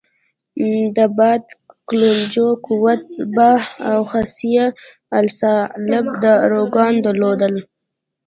د باد کلنجو، قوت باه او خصیه الصعالب داروګان درلودل.